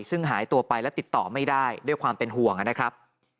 ซึ่งหายตัวไปและติดต่อไม่ได้ด้วยความเป็นห่วงนะครับ